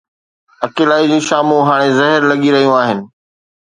اڪيلائي جون شامون هاڻي زهر لڳي رهيون آهن.